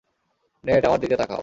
Net, আমার দিকে তাকাও।